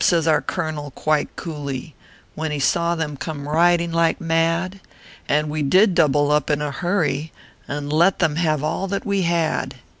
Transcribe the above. says our colonel, quite coolly, When he saw them come riding like mad, And wo did double up in a hurry, And let them have all that we had.